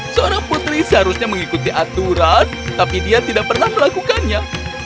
seorang putri seharusnya mengikuti aturan tapi dia tidak pernah melakukannya